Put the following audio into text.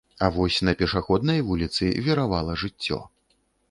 А вось на пешаходнай вуліцы віравала жыццё.